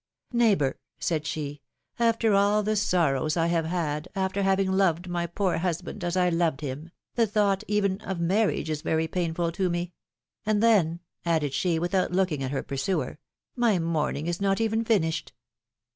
Neighbor," said she, after all the sorrows I have had, after having loved my poor husband, as I loved him, the thought, even, of marriage is very painful to me; — and then," added she, without looking at her pursuer, ^^my mourning is not even finished."